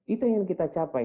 itu yang kita capai